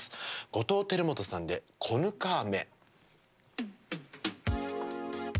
後藤輝基さんで「こぬか雨」。